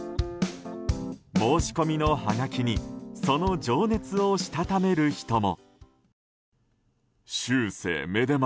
申し込みのはがきにその情熱をしたためる人も。